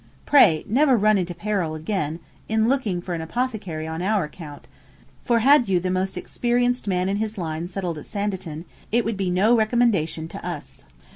... Pray never run into peril again in looking for an apothecary on our account; for had you the most experienced man in his line settled at Sanditon, it would be no recommendation to us.